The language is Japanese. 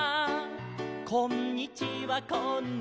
「こんにちはこんにちは」